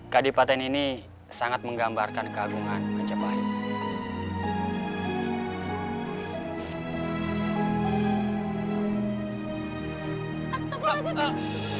kedipaten ini sangat menggambarkan keagungan pencapaian